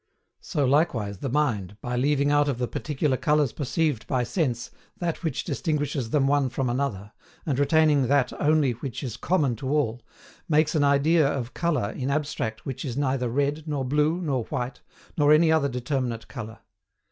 So likewise the mind, by leaving out of the particular colours perceived by sense that which distinguishes them one from another, and retaining that only which is COMMON TO ALL, makes an idea of colour in abstract which is neither red, nor blue, nor white, nor any other determinate colour.